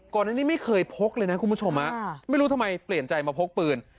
ก่อนอันนี้ไม่เคยพกเลยนะคุณผู้ชมไม่รู้ทำไมเปลี่ยนใจมาพกปืน